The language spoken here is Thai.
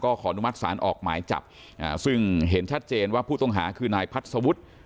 ขออนุมัติศาลออกหมายจับซึ่งเห็นชัดเจนว่าผู้ต้องหาคือนายพัฒวุฒิ